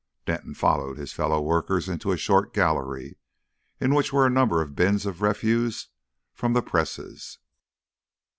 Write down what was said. Denton followed his fellow workers into a short gallery, in which were a number of bins of refuse from the presses.